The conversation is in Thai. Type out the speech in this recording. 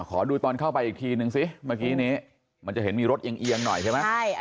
ขอดูตอนเข้าไปอีกทีนึงสิเมื่อกี้นี้มันจะเห็นมีรถเอียงหน่อยใช่ไหม